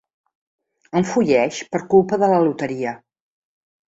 Enfolleix per culpa de la loteria.